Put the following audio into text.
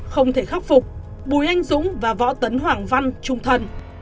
không thể khắc phục bùi anh dũng và võ tấn hoảng văn trung thần